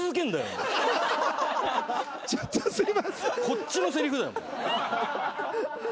こっちのせりふだよ。